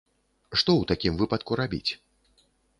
Што ў такім выпадку рабіць?